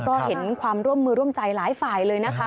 ก็เห็นความร่วมมือร่วมใจหลายฝ่ายเลยนะคะ